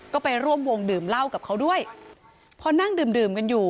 ก็ไปร่วมวงดื่มเหล้ากับเขาด้วยพอนั่งดื่มดื่มกันอยู่